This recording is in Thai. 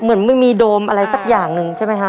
เหมือนไม่มีโดมอะไรสักอย่างหนึ่งใช่ไหมคะ